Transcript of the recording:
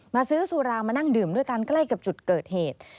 ซื้อสุรามานั่งดื่มด้วยกันใกล้กับจุดเกิดเหตุ